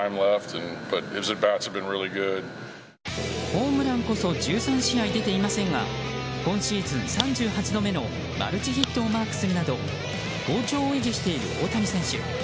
ホームランこそ１３試合出ていませんが今シーズン３８度目のマルチヒットをマークするなど好調を維持している大谷選手。